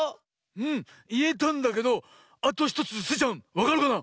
うんいえたんだけどあと１つスイちゃんわかるかな？